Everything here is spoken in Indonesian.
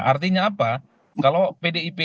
artinya apa kalau pdip